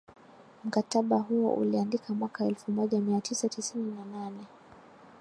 mkataba huo uliandika mwaka elfu moja mia tisa tisini na nane